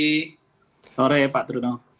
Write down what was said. selamat sore pak truno